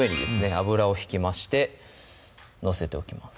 油を引きまして載せておきます